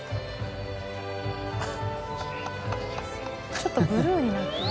ちょっとブルーになってる。